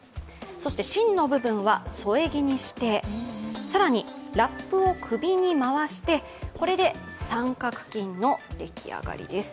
そして芯の部分は添え木にして更にラップを首に回してこれで三角巾のでき上がりです。